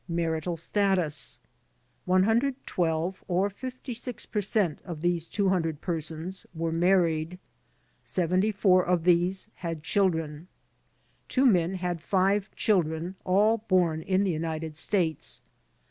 * Marital Status One hundred twelve, or 56 per cent, of these 200 per sons were married. Seventy four of these had children. Two men had 5 children, all born in the United States.